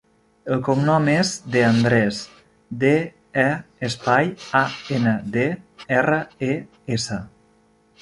El cognom és De Andres: de, e, espai, a, ena, de, erra, e, essa.